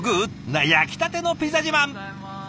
な焼きたてのピザ自慢！